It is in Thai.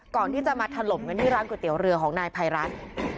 ก่อนที่จะมาถล่มกันที่ร้านก๋วยเตี๋ยวเรือของนายภัยรัฐ